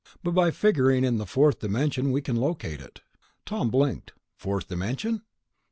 But by figuring in the fourth dimension, we can locate it." Tom blinked. "Fourth dimension?"